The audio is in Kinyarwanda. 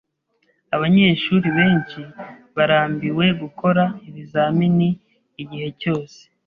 Abanyeshuri benshi barambiwe gukora ibizamini igihe cyose.